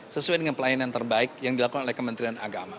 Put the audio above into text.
sesuai dengan pelayanan terbaik yang dilakukan oleh kementerian agama